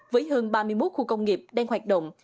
với hơn ba mươi một khu công nghiệp đang hoạt động